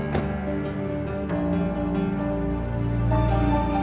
sampai jumpa di video selanjutnya